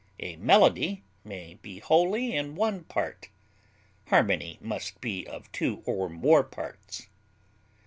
A melody may be wholly in one part; harmony must be of two or more parts.